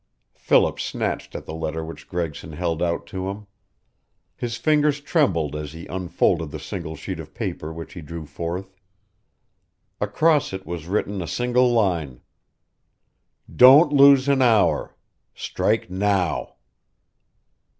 Philip snatched at the letter which Gregson held out to him. His fingers trembled as he unfolded the single sheet of paper which he drew forth. Across it was written a single line: Don't lose an hour. Strike now.